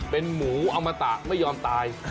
เป็นหมูอมตะไม่ยอมตาย